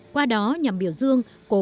qua đó nhằm biểu dương cổ văn